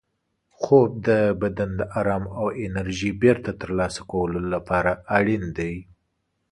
خوب د بدن د ارام او انرژۍ بېرته ترلاسه کولو لپاره اړین دی.